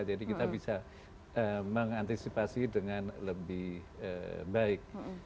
jadi kita bisa mengantisipasi dengan lebih baik